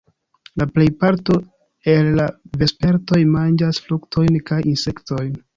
La plejparto el la vespertoj manĝas fruktojn kaj insektojn.